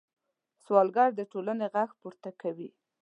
سوالګر د ټولنې غږ پورته کوي